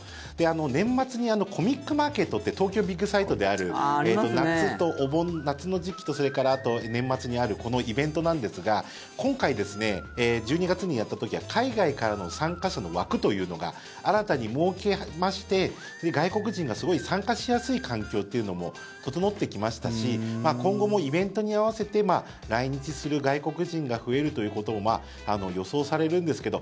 年末にコミックマーケットって東京ビッグサイトである夏の時期とそれからあと、年末にあるこのイベントなんですが今回、１２月にやった時は海外からの参加者の枠というのが新たに設けまして外国人が、すごい参加しやすい環境というのも整ってきましたし今後もイベントに合わせて来日する外国人が増えるということも予想されるんですけど